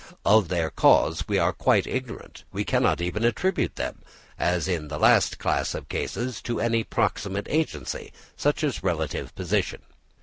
Of their cause we are quite ignorant; we cannot even attribute them, as in the last class of cases, to any proximate agency, such as relative position.